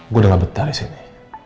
gue udah labet dari sini